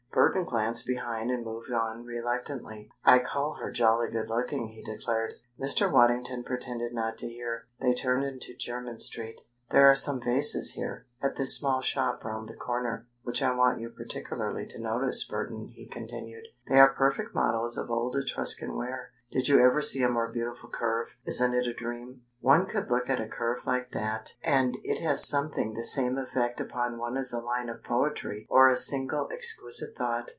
Burton glanced behind and move on reluctantly. "I call her jolly good looking," he declared. Mr. Waddington pretended not to hear. They turned into Jermyn Street. "There are some vases here, at this small shop round the corner, which I want you particularly to notice, Burton," he continued. "They are perfect models of old Etruscan ware. Did you ever see a more beautiful curve? Isn't it a dream? One could look at a curve like that and it has something the same effect upon one as a line of poetry or a single exquisite thought."